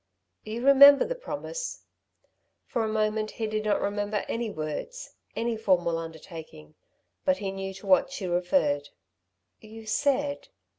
"You remember the promise?" For a moment he did not remember any words any formal undertaking; but he knew to what she referred. "You said